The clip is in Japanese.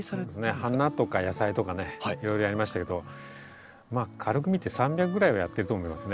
花とか野菜とかねいろいろやりましたけどまあ軽く見て３００ぐらいはやってると思いますね。